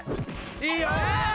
いいよ！